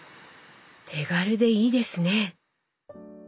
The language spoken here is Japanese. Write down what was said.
手軽でいいですね。